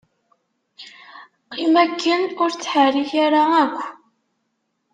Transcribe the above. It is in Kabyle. Qqim akken ur ttḥerrik ara akk.